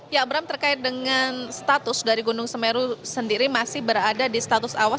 ya abram terkait dengan status dari gunung semeru sendiri masih berada di status awas